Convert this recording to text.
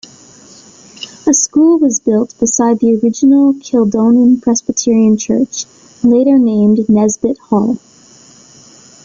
A school was built beside the original Kildonan Presbyterian Church, later named Nisbet Hall.